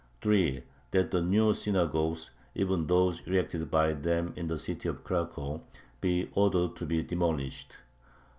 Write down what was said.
3. That the new synagogues, even those erected by them in the city of Cracow, be ordered to be demolished.